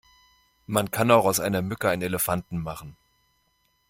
Man kann auch aus einer Mücke einen Elefanten machen!